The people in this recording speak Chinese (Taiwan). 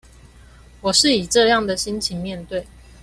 我是以這樣的心情面對